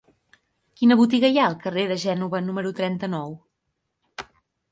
Quina botiga hi ha al carrer de Gènova número trenta-nou?